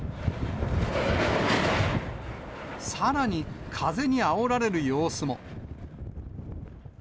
さらに風にあおられる様子も。